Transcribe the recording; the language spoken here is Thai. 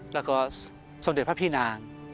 แล้วก็สมเด็จพระพี่นาง